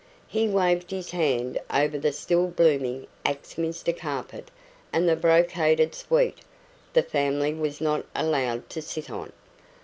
He waved his hand over the still blooming Axminster carpet and the brocaded suite the family was not allowed to sit on.